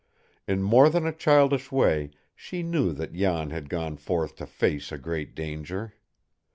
In more than a childish way, she knew that Jan had gone forth to face a great danger.